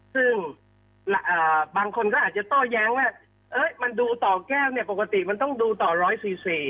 ซึ่งบางคนก็อาจจะโต้แย้งว่ามันดูต่อแก้วเนี่ยปกติมันต้องดูต่อร้อยสี่สี่